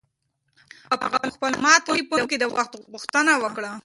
هغه په خپل مات تلیفون کې د وخت پوښتنه وکړه.